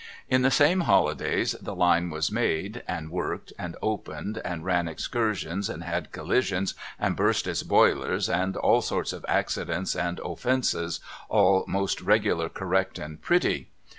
In the same holidays the line was made and worked and opened and ran excursions and had collisions and burst its boilers and all sorts of accidents and offences all most regular correct and pretty.